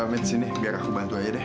eh met sini biar aku bantu aja deh